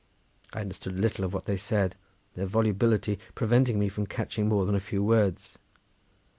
I understood little of what they said, their volubility preventing me from catching more than a few words.